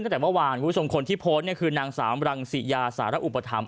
ตั้งแต่ว่าวางผู้ชมคนที่โพสต์เนี้ยคือนางสามรังสิยาสารอุปฐำ